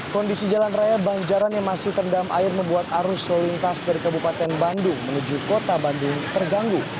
kondisi jalan raya banjaran yang masih terendam air membuat arus lalu lintas dari kabupaten bandung menuju kota bandung terganggu